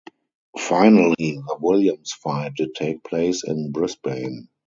Finally the Williams fight did take place in Brisbane.